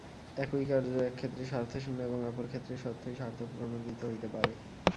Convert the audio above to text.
একই কার্য এক ক্ষেত্রে স্বার্থশূন্য এবং অপর ক্ষেত্রে সত্যই স্বার্থপ্রণোদিত হইতে পারে।